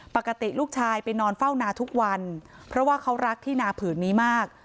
ปกติลูกชายไปนอนเฝ้านาทุกวันเพราะว่าเขารักที่นาผืนนี้มาก